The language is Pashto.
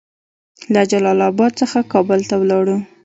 له جلال اباد څخه کابل ته ولاړ.